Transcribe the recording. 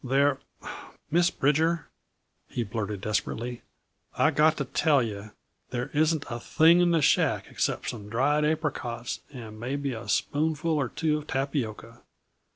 "There Miss Bridger," he blurted desperately, "I've got to tell yuh there isn't a thing in the shack except some dried apricots and maybe a spoonful or two of tapioca.